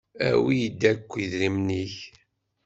Awi-d akk idrimen-ik!